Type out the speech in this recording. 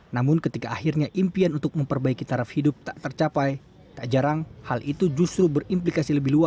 namun ketika akhirnya impian untuk memperbaiki taraf hidup tak tercapai tak jarang hal itu justru berimplikasi lebih luas